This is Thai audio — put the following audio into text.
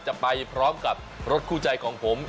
จะไปพร้อมกับรถคู่ใจของผม